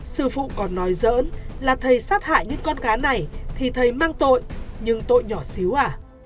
sư phụ còn nói dỡn là thầy sát hại những con cá này thì thầy mang tội nhưng tội nhỏ xíu à